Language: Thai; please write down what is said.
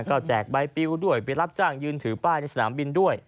ก็แจกใบปิวด้วยไปรับจ้างยืนถือป้ายในสนามบินด้วย